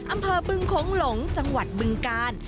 อำเภอบึงโค้งหลงจังหวัดบึงกาล